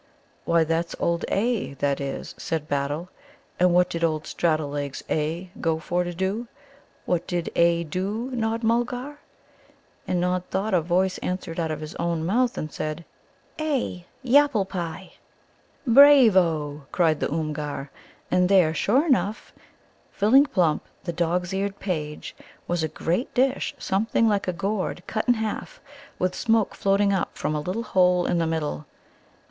"Why, that's old 'A,' that is," said Battle; "and what did old straddle legs 'A' go for to do? What did 'A' do, Nod Mulgar?" And Nod thought a voice answered out of his own mouth and said: "A ... Yapple pie." "Brayvo!" cried the Oomgar. And there, sure enough, filling plump the dog's eared page, was a great dish something like a gourd cut in half, with smoke floating up from a little hole in the middle.